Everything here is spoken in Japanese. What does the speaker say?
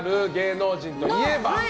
Ｎｏ人といえば？